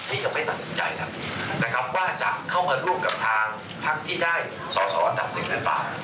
ที่ยังไม่ตัดสินใจและว่าจะเข้ามาร่วมกับทางพักที่ได้สสวัตถางคุณหุ่นป่า